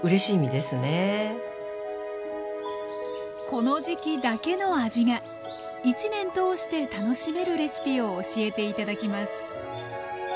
この時季だけの味が一年通して楽しめるレシピを教えて頂きます